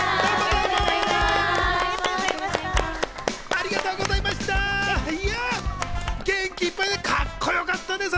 ありがとうございます。